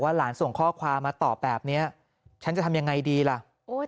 หลานส่งข้อความมาตอบแบบเนี้ยฉันจะทำยังไงดีล่ะโอ้ย